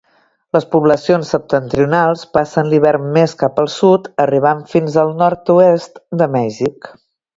Les poblacions septentrionals passen l'hivern més cap al sud, arribant fins al nord-oest de Mèxic.